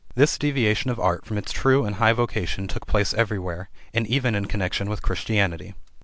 This deviation of art from its true and high vocation took place everywhere, and even in connection with Christianity.